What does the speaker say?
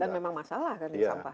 dan memang masalah kan ini sampah